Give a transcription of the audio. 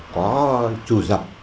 có trù dập